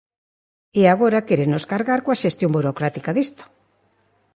E agora quérenos cargar coa xestión burocrática disto.